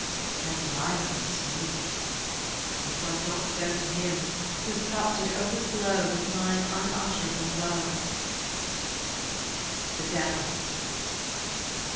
"And life is sweet." "It was not so To Him, Whose Cup did overflow With mine unutterable woe." THE DEVIL.